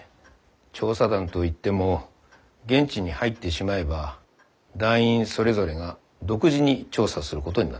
調査団と言っても現地に入ってしまえば団員それぞれが独自に調査することになっている。